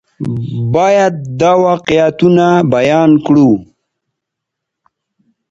باید دا واقعیتونه بیان کړو.